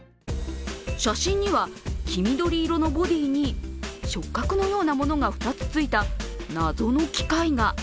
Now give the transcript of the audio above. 写真には、黄緑色のボディーに触角のようなものが２つついた謎の機械が。